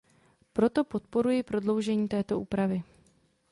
Proto podporuji prodloužení této úpravy.